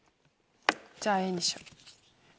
じゃあＡにしよう。